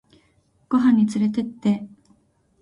ご飯につれてって